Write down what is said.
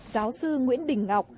giáo sư nguyễn đình ngọc